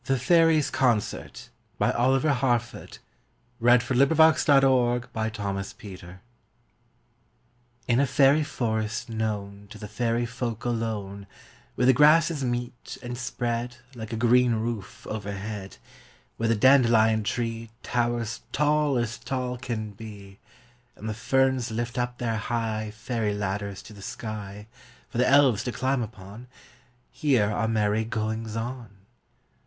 [Illustration: The Fairiesâ Concert.] In a fairy forest known To the fairy folk alone, Where the grasses meet and spread Like a green roof overhead, Where the dandelion tree Towers tall as tall can be, And the ferns lift up their high Fairy ladders to the sky, For the elves to climb upon Here are merry goings on.